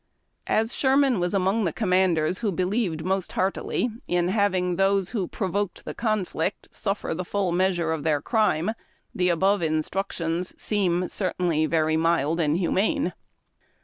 As Sherman was among the commanders who believed most heartily in having those who provoked the conflict suffer the full measure of their crime, the above instructions seem certainly very mild and humane.